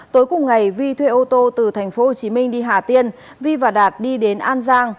tối cùng ngày vi thuê ô tô từ thành phố hồ chí minh đi hà tiên vi và đạt đi đến an giang